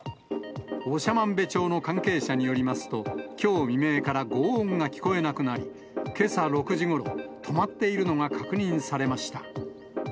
長万部町の関係者によりますと、きょう未明からごう音が聞こえなくなり、けさ６時ごろ、止まっているのが確認されました。